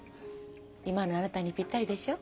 今のあなたにぴったりでしょ？